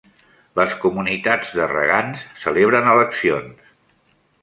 Les comunitats de regants celebren eleccions.